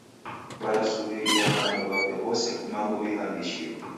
Warasuw'iria na w'andu w'ape w'ose kumangu w'ihamishiro.